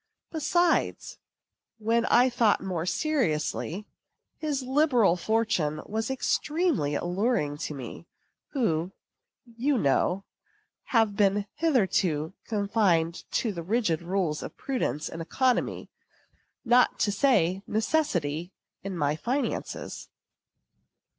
Besides, when I thought more seriously, his liberal fortune was extremely alluring to me, who, you know, have been hitherto confined to the rigid rules of prudence and economy, not to say necessity, in my finances.